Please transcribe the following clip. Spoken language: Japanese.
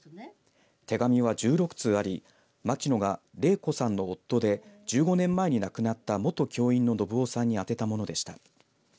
手紙は１６通あり牧野がれい子さんの夫で１５年前に亡くなった元教員の信夫さんにあてたものでした。